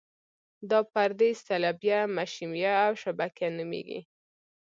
دا پردې صلبیه، مشیمیه او شبکیه نومیږي.